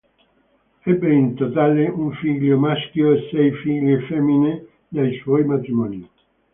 Ebbe in totale un figlio maschio e sei figlie femmine dai suoi matrimoni.